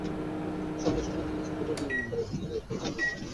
সঙ্গে সঙ্গে বিজিবি রনিকে ফেরত চেয়ে টাকিমারী বিএসএফ ক্যাম্পে চিঠি দেয়।